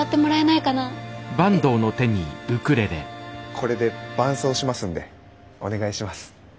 これで伴奏しますんでお願いします。